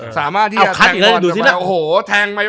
สามารถที่จะแทงมา